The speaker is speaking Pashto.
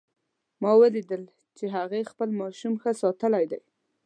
ما ولیدل چې هغې خپل ماشوم ښه ساتلی ده